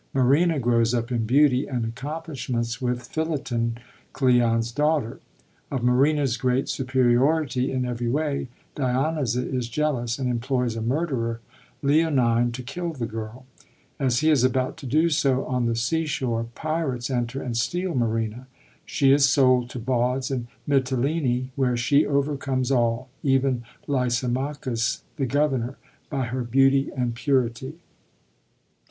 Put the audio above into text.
Marina grows up in beauty and accomplishments with Philoten, Cleon's daughter. Of Marina's great superiority in every way, Dionyza is jealous, and employs a murderer, Leonine, to kill the girl. As he is about to do so on the sea shore, pirates enter and steal Marina. She is sold to bawds in Mitylene, where she overcomes all, even Lysimachus, the governor, by her beauty and purity.